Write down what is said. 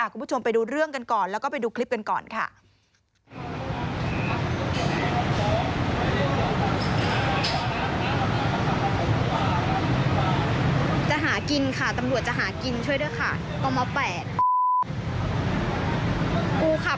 คุณผู้ชมไปดูเรื่องกันก่อนแล้วก็ไปดูคลิปกันก่อนค่ะ